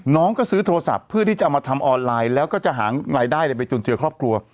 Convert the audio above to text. น้องก็ซื้อโทรศัพท์เพื่อที่จะเอามาทำออนไลน์แล้วก็จะหารายได้ไปจุนเจือครอบครัว